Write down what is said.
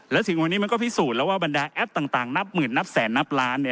และถึงวันนี้มันก็พิสูจน์แล้วว่าบรรดาแอปต่างนับหมื่นนับแสนนับล้าน